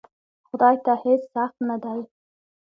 خدای ته هیڅ سخت نه دی!